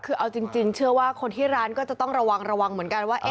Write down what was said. คือเอาจริงเชื่อว่าคนที่ร้านก็จะต้องระวังระวังเหมือนกันว่า